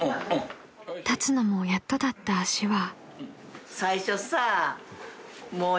［立つのもやっとだった足は］